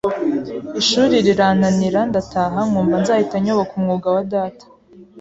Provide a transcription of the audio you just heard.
ishuri rirananira ndataha, nkumva nzahita nyoboka umwuga wa Data